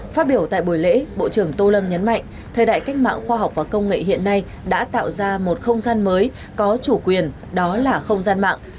phát biểu tại buổi lễ bộ trưởng tô lâm nhấn mạnh thời đại cách mạng khoa học và công nghệ hiện nay đã tạo ra một không gian mới có chủ quyền đó là không gian mạng